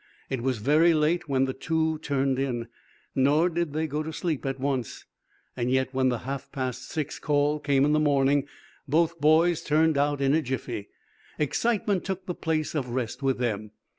It was very late when the two turned in, nor did they go to sleep at once. Yet, when the half past six call came in the morning, both boys turned out in a jiffy. Excitement took the place of rest with them.